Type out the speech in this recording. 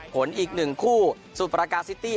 ผลอีกหนึ่งคู่สุดประกาศซิตี้